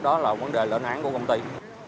đó là vấn đề lợi án của công ty